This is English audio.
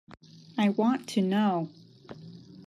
I want to know.